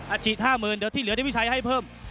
อาจิต๕๐๐๐๐เดี๋ยวที่เหลือได้วิชัยให้เพิ่ม